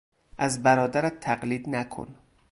از برادرت تقلید نکن!